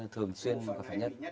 thường xuyên phải nhất